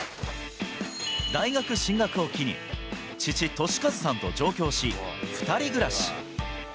大学進学を機に、父、俊一さんと上京し、２人暮らし。